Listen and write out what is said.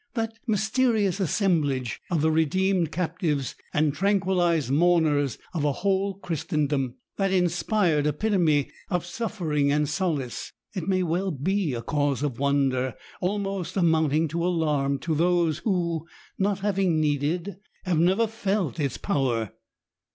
— that mysterious assemblage of the redeemed Captives and tranquiUised Mourners of a whole Christendom !— ^that inspired epitome of suffering and solace!) — ^it may weU be a cause of wonder, almost amounting to alarm, to those who, not having needed, have never felt its power.